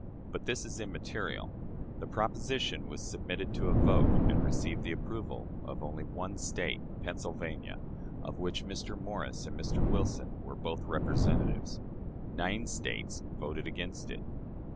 But this is immaterial. The proposition was submitted to a vote, and received the approval of only one State Pennsylvania, of which Mr. Morris and Mr. Wilson were both representatives. Nine States voted against it.